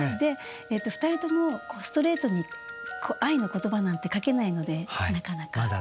２人ともストレートに愛の言葉なんて書けないのでなかなか。